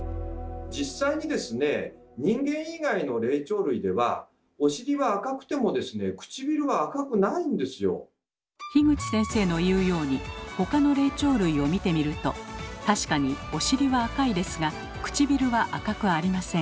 実際にですね口先生の言うように他の霊長類を見てみると確かにお尻は赤いですがくちびるは赤くありません。